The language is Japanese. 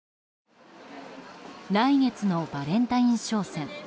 来月のバレンタイン商戦。